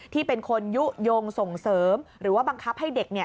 ที่เป็นคนยุโยงส่งเสริมหรือว่าบังคับให้เด็ก